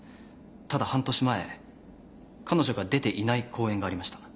ただ半年前彼女が出ていない公演がありました。